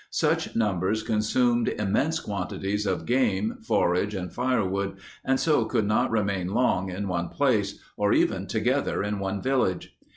Such numbers consumed immense quantities of game, forage, and firewood and so could not remain long in one place, or even together in one village.